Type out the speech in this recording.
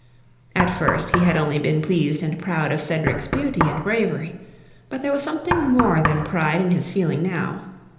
At first he had only been pleased and proud of Cedric's beauty and bravery, but there was something more than pride in his feeling now.